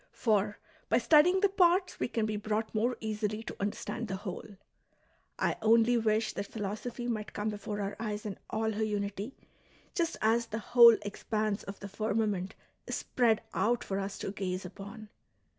For by studying the parts we can be brought more easily to understand the whole. I only wish that philosophy might come before our eyes in all her unity, just as the whole expanse of the firmament is spread out for us to gaze upon